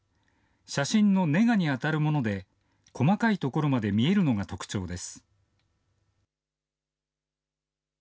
写真のネガに当たるもので、細かい所まで見えるのが特徴です。